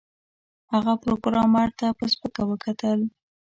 هغه پروګرامر ته په سپکه وکتل